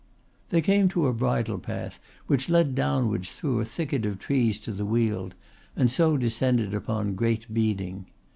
They came to a bridle path which led downwards through a thicket of trees to the weald and so descended upon Great Beeding.